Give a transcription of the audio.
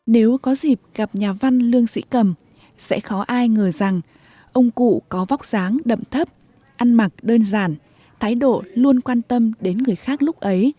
nếu có dịp gặp nhà văn lương sĩ cầm sẽ khó ai ngờ rằng ông cụ có vóc dáng đậm thấp ăn mặc đơn giản thái độ luôn quan tâm đến người khác lúc ấy